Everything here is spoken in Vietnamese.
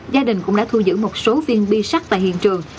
gia đình cũng đã thu giữ một số viên bi sắt tại hiện trường